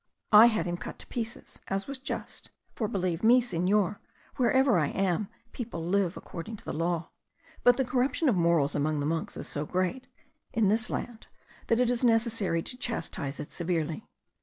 I had him cut to pieces, as was just: for, believe me, Senor, wherever I am, people live according to the law. But the corruption of morals among the monks is so great in this land that it is necessary to chastise it severely.